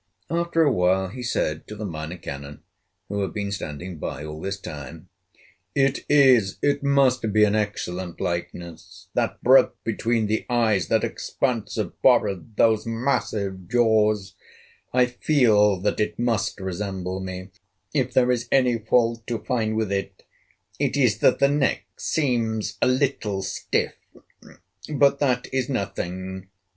After a while he said to the Minor Canon, who had been standing by all this time: "It is, it must be, an excellent likeness! That breadth between the eyes, that expansive forehead, those massive jaws! I feel that it must resemble me. If there is any fault to find with it, it is that the neck seems a little stiff. But that is nothing.